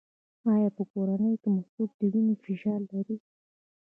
ایا په کورنۍ کې مو څوک د وینې فشار لري؟